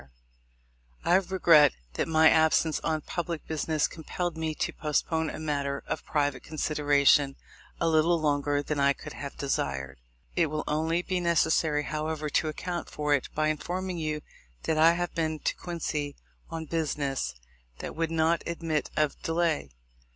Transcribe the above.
— I regret that my absence on public business compelled me to postpone a matter of private consideration a little longer than I could have desired. It will only be necessary, however, to account for it by informing you that I have been to Quincy on business that would not admit of delay.